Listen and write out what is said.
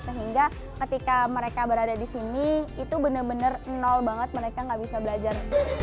sehingga ketika mereka berada di sini itu benar benar nol banget mereka nggak bisa belajar